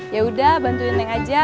yaudah bantuin neng aja